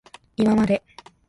いままで